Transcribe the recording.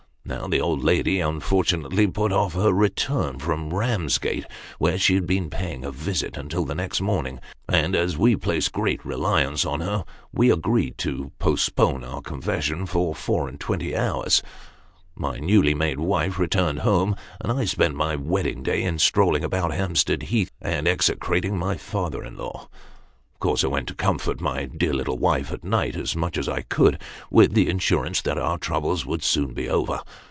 Now, the old lady unfortunately put off her return from Eamsgate, where she had been paying a visit, until the next morning ; and as we placed great reliance on her, we agreed to postpone our confession for four and twenty hours. My newly made wife returned home, and I spent my wedding day in strolling about Hampstead Heath, and execrating my father in law. Of course, I went to comfort my dear little wife at night, as much as I could, with the assurance that oui' troubles would soon be over.